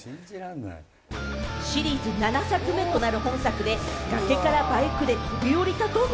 シリーズ７作目となる本作で崖からバイクで飛び降りたトム。